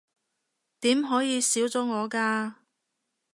點可以少咗我㗎